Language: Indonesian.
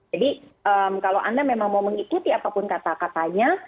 jadi kalau anda memang mau mengikuti apapun kata katanya